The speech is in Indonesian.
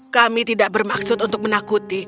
kami tidak bermaksud untuk menakuti